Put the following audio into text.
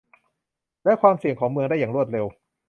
และความเสี่ยงของเมืองได้อย่างรวดเร็ว